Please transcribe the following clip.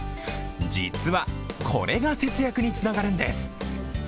実は、これが節約につながるんです